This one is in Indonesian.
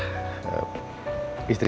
mohon kopi data aku